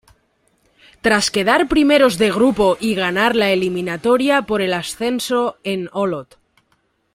Tras quedar primeros de grupo y ganar la eliminatoria por el ascenso en Olot.